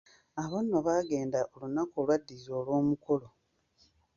Abo nno baagenda olunaku olwaddirira olw'omukolo.